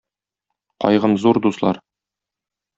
Кайгым зур, дуслар